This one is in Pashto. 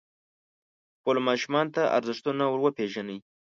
خپلو ماشومانو ته ارزښتونه وروپېژنئ.